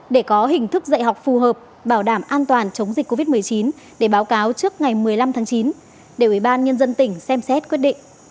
để có hình thức dạy học phù hợp bảo đảm an toàn chống dịch covid một mươi chín để báo cáo trước ngày một mươi năm tháng chín đều ubnd tỉnh xem xét quyết định